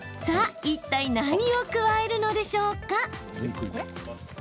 さあ、いったい何を加えるのでしょうか？